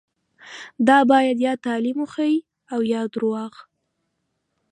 دا باید یا تعلیم وښيي او یا درواغ.